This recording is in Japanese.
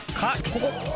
ここ。